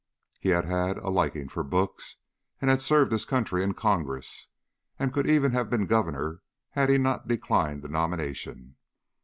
He had had a liking for books, and had served his country in Congress, and could even have been governor had he not declined the nomination.